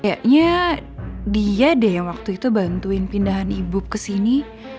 kayaknya dia deh yang waktu itu bantuin pindahan ibu ke sini